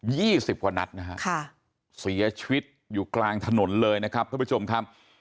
สิบกว่านัดนะฮะค่ะเสียชีวิตอยู่กลางถนนเลยนะครับท่านผู้ชมครับ